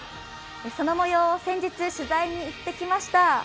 その模様を先日、取材に行ってきました。